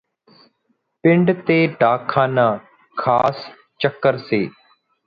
ਪਿੰਡ ਤੇ ਡਾਕਖਾਨਾ ਖ਼ਾਸ ਚਕਰ ਸੀ